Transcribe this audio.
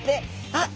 あっ！